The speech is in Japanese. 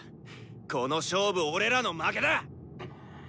この勝負俺らの負けだ！